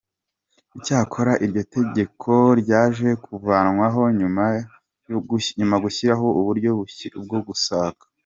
Icyakora iryo tegeko ryaje kuvanwaho nyuma gushyiraho uburyo bushya bwo gusaka.